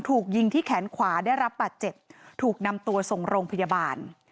ถูกยิงที่แขนขวาได้รับบาดเจ็บถูกนำตัวส่งโรงพยาบาล